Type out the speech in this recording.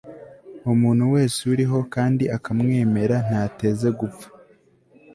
umuntu wese uriho kandi akamwemera ntateze gupfa